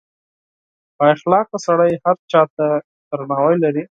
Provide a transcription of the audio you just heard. • بااخلاقه سړی هر چا ته احترام لري.